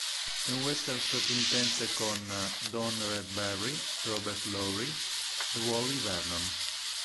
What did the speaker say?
È un western statunitense con Don 'Red' Barry, Robert Lowery e Wally Vernon.